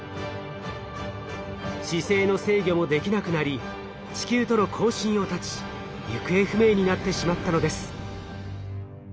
姿勢の制御もできなくなり地球との交信を絶ち行方不明になってしまったのです。